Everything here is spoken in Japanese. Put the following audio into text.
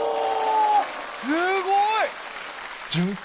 すごい！